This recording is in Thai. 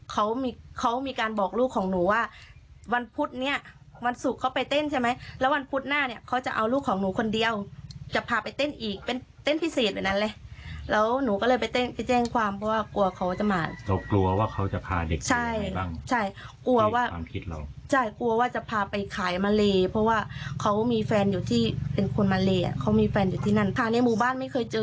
เขามีเขามีการบอกลูกของหนูว่าวันพุธเนี้ยวันศุกร์เขาไปเต้นใช่ไหมแล้ววันพุธหน้าเนี้ยเขาจะเอาลูกของหนูคนเดียวจะพาไปเต้นอีกเป็นเต้นพิเศษวันนั้นเลยแล้วหนูก็เลยไปเต้นไปแจ้งความเพราะว่ากลัวเขาจะมาเขากลัวว่าเขาจะพาเด็กใช่กลัวว่าใช่กลัวว่าจะพาไปขายมาเลเพราะว่าเขามีแฟนอยู่ที่เป็นคนมาเลอ่ะเขามีแฟนอยู่ที่นั่นทางในหมู่บ้านไม่เคยเจอ